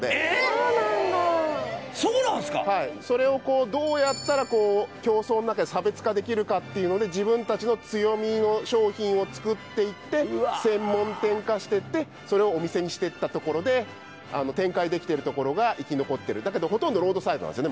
そうなんだそうなんすかはいそれをこうどうやったらこう競争の中で差別化できるかっていうので自分達の強みの商品を作っていってうわ専門店化してってそれをお店にしてったところで展開できてる所が生き残ってるだけどほとんどロードサイドなんですよね